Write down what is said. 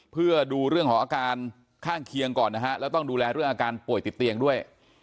เพื่อดูเรื่องของอาการข้างเคียงก่อนนะฮะแล้วต้องดูแลเรื่องอาการป่วยติดเตียงด้วย